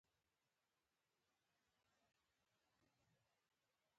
لې لیانو د ټوپک اخیستو سره علاقه لرله